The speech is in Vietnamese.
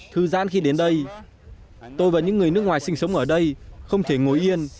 thư gian khi đến đây tôi và những người nước ngoài sinh sống ở đây không thể ngồi yên